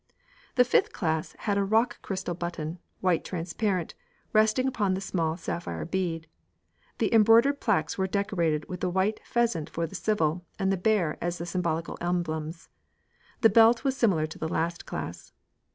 The fifth class had a rock crystal button white transparent resting on the small sapphire bead; the embroidered plaques were decorated with the white pheasant for the civil, and the bear as the symbolical emblems. The belt was similar to the last class.